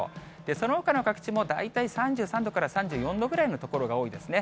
そのほかの各地も大体３３度から３４度くらいの所が多いですね。